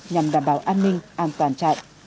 nhằm đảm bảo an ninh an toàn trại